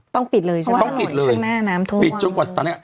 ต้องปิดเลยใช่ไหมต้องปิดเลยข้างหน้าน้ำท่วมปิดจนกว่าตอนเนี้ย